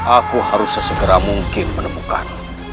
aku harus sesegera mungkin menemukan